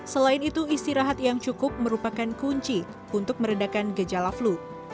selain itu istirahat yang cukup merupakan kunci untuk meredakan gejala flu